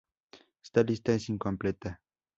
Esta lista es incompleta.